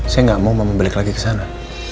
saya gak mau mama balik lagi kesana